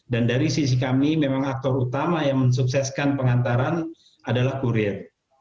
dan dari sisi kami memang aktor utama yang mensukseskan pengantaran adalah kurir